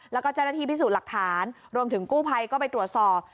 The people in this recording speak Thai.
แล้วก็เจ้าหน้าที่พิสูจน์หลักฐานรวมถึงกู้ภัยก็ไปตรวจสอบ